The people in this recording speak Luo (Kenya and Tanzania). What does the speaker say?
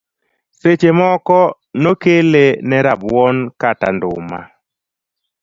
Seche moko nokele ne rabuon kata nduma.